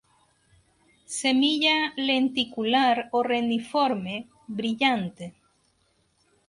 Semilla lenticular o reniforme, brillante.